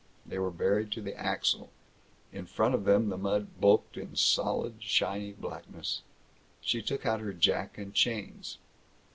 They were buried to the axle; in front of them the mud bulked in solid, shiny blackness. She took out her jack and chains.